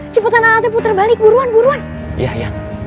sampai jumpa lagi